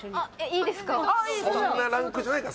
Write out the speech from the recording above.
いいですか？